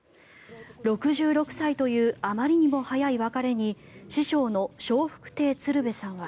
６６歳というあまりにも早い別れに師匠の笑福亭鶴瓶さんは。